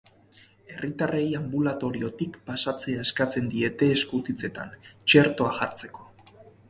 Herritarrei anbulatoriotik pasatzea eskatzen diete eskutitzetan, txertoa jartzeko.